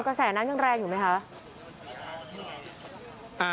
กระแสน้ำยังแรงอยู่ไหมคะ